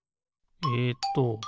えっと